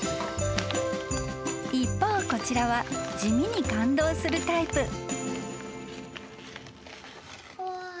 ［一方こちらは地味に感動するタイプ］